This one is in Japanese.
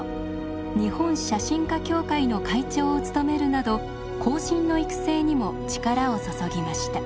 日本写真家協会の会長を務めるなど後進の育成にも力を注ぎました。